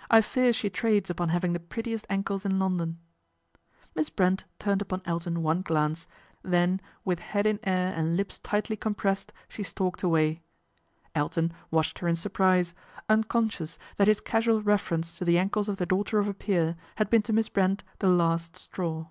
" I fear she trades upon having the prettiest ankles in London." Miss Brent turned upon Elton one glance, then with head in air and lips tightly compressed, she MISS BRENT'S STRATEGY 141 stalked away. Elton watched her in surprise, unconscious that his casual reference to the ankles of the daughter of a peer had been to Miss Brent the last straw.